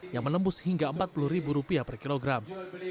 yang menembus hingga rp empat puluh per kilogram